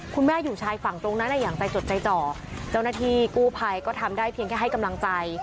คุณแม่อยู่ชายฝั่งตรงนั้นอย่างใจจดใจจ่อเจ้าหน้าที่กู้ภัยก็ทำได้เพียงแค่ให้กำลังใจ